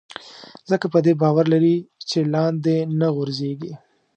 ځکه په دې باور لري چې لاندې نه غورځېږي.